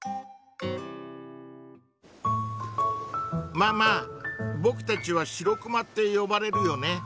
ママぼくたちはシロクマって呼ばれるよね。